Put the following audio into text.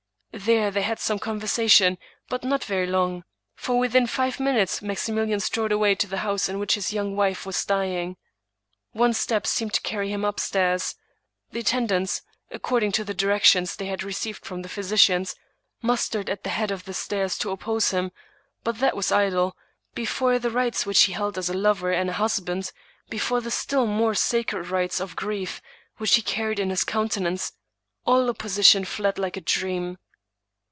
There they had some con versation, but not very long, for within five minutes Maxi milian strode away to the house in which his young wife was dying. One step seemed to carry him upstairs. The attendants, according to the directions they had received from the physicians, mustered at the head of the stairs to oppose him. But that was idle: before the rights which he held as a lover and a husband — ^before the still more sacred rights of grief, which he carried in his countenance,, all opposition fled like a dream.